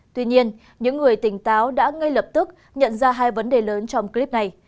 tuy nhiên những người tỉnh táo đã ngay lập tức nhận ra hai vấn đề lớn trong clip này